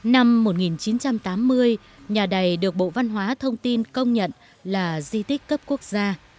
năm một nghìn chín trăm tám mươi nhà đầy được bộ văn hóa thông tin công nhận là di tích cấp quốc gia